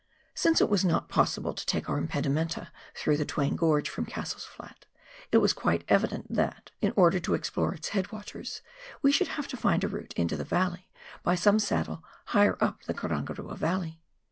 Since it was not possible to take our impedimenta through the Twain Grorge, from Cassell's Flat, it was quite evident that, in order to explore its head waters, we should have to find a route into the valley by some saddle higher up the Karan garua Yalley.